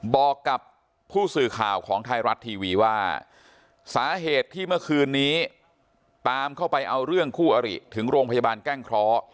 บอกกับผู้สื่อข่าวของไทยรัฐทีวีว่าสาเหตุที่เมื่อคืนนี้ตามเข้าไปเอาเรื่องคู่อริถึงโรงพยาบาลแก้งเคราะห์